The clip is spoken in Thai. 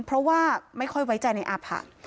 เพราะว่าไม่ค่อยไว้ใจในอาผะ